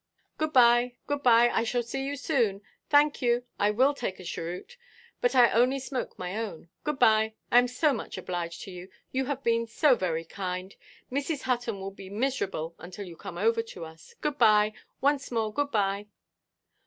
"Good–bye, good–bye! I shall see you soon. Thank you, I will take a cheroot. But I only smoke my own. Good–bye! I am so much obliged to you. You have been so very kind. Mrs. Hutton will be miserable until you come over to us. Good–bye; once more, good–bye!"